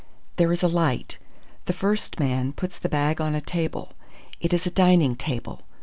"There is a light. The first man puts the bag on a table; it is a dining table.